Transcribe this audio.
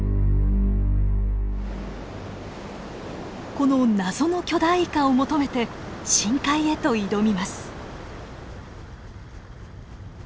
この謎の巨大イカを求めて深海へと挑みます。